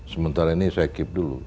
sementara ini saya keep dulu